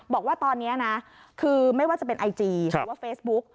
บอกว่าตอนนี้นะคือไม่ว่าจะเป็นไอจีหรือว่าเฟซบุ๊ก